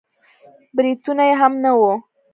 برېتونه يې هم نه وو.